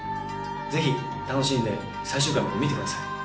ぜひ楽しんで最終回まで見てください。